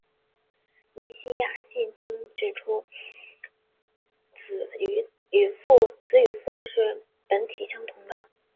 尼西亚信经指出子与父是本体相同的。